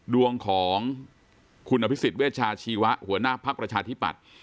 ดวงของคุณอภิษฎเวชาชีวะหัวหน้าภักดิ์ประชาธิปัตย์